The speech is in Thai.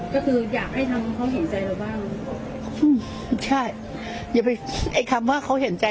ก็คืออยากให้น้องเขาเห็นใจเราบ้างใช่อย่าไปไอ้คำว่าเขาเห็นใจ